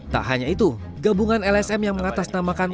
tak hanya itu gabungan lsm yang mengatasnamakan